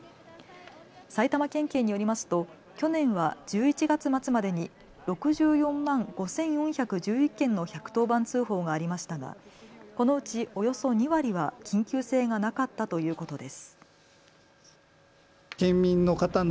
埼玉県警によりますと去年は１１月末までに６４万５４１１件の１１０番通報がありましたが、このうちおよそ２割は緊急性がなかったということです。